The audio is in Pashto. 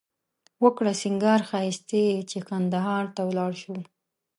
وکړه سینگار ښایښتې چې قندهار ته ولاړ شو